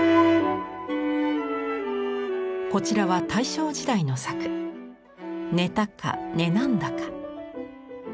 こちらは大正時代の作「寝たか寝なんだか」。